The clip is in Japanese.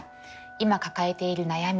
今抱えている悩み